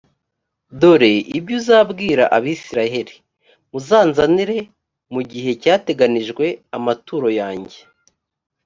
dore ibyo uzabwira abayisraheli: muzanzanire, mu gihe cyateganijwe, amaturo yanjye.